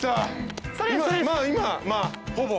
まあ今ほぼ？